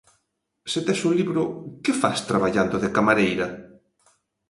Se tes un libro, que fas traballando de camareira?